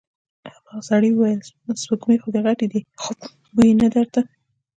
هماغه سړي وويل: سپږمې خو دې غټې دې، بوی يې نه درته؟